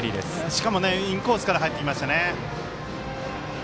しかも、インコースから入ってきましたね。